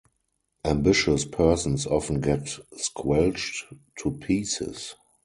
Ambitious persons often get squelched to pieces.